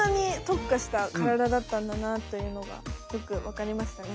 だったんだなというのがよくわかりましたね。